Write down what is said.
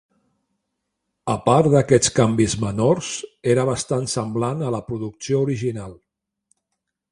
A part d'aquests canvis menors, era bastant semblant a la producció original.